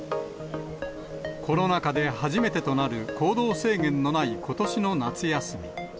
コロナ禍で初めてとなる行動制限のないことしの夏休み。